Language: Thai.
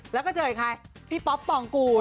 แล้วก็เจออีกใครพี่ป๊อปปองกูล